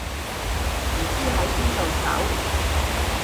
唔知喺邊度搜